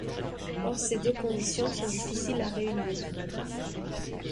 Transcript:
Or ces deux conditions sont difficiles à réunir.